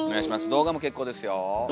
動画も結構ですよ。